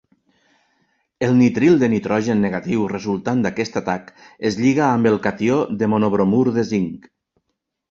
El nitril de nitrogen negatiu resultant d'aquest atac es lliga amb el catió de mono-bromur de zinc.